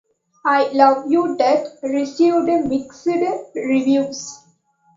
"I Love You to Death" received mixed reviews.